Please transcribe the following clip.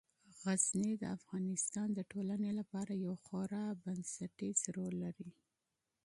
غزني د افغانستان د ټولنې لپاره یو خورا بنسټيز رول لري.